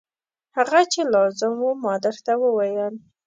هغه چې لازم و ما درته وویل.